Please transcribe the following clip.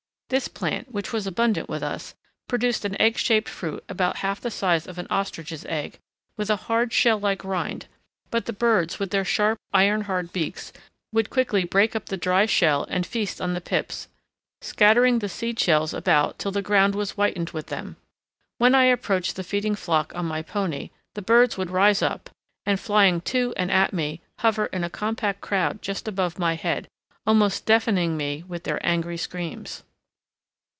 This plant, which was abundant with us, produced an egg shaped fruit about half the size of an ostrich's egg, with a hard shell like rind, but the birds with their sharp iron hard beaks would quickly break up the dry shell and feast on the pips, scattering the seed shells about till the ground was whitened with them. When I approached the feeding flock on my pony the birds would rise up and, flying to and at me, hover in a compact crowd just above my head, almost deafening me with their angry screams.